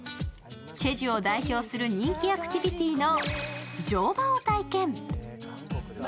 チェジュを代表する人気アクティビティーの乗馬を体験。